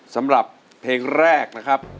สำหรับเพลงแรกนะครับ